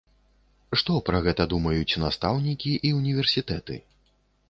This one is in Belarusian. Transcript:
Што пра гэта думаюць настаўнікі і ўніверсітэты?